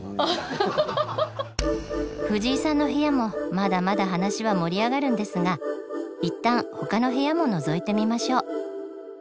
藤井さんの部屋もまだまだ話は盛り上がるんですがいったんほかの部屋ものぞいてみましょう。